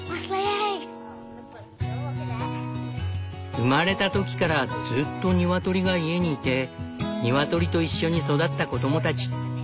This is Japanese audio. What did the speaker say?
生まれた時からずっとニワトリが家にいてニワトリといっしょに育った子供たち。